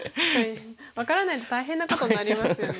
分からないと大変なことになりますよね。